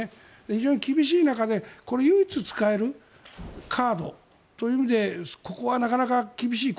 非常に厳しい中で唯一、使えるカードという意味でここはなかなか厳しい。